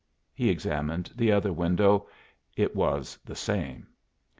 He examined the other window. It was the same.